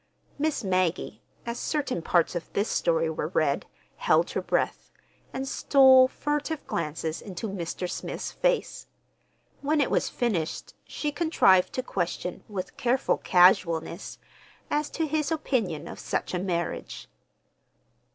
Miss Maggie, as certain parts of this story were read, held her breath, and stole furtive glances into Mr. Smith's face. When it was finished she contrived to question with careful casualness, as to his opinion of such a marriage.